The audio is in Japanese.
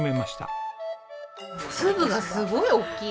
粒がすごい大きい。